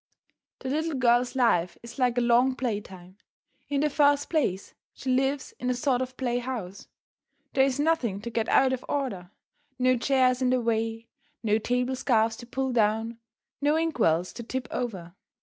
The little girl's life is like a long playtime. In the first place, she lives in a sort of play house. There is nothing to get out of order; no chairs in the way, no table scarfs to pull down, no ink wells to tip over.